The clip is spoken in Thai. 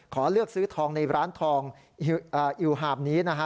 ขอเลือกซื้อทองในร้านทองอิวหาบนี้นะฮะ